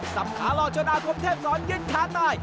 สับขาหลอกจนอาคมเทพสอนเย็นขาตาย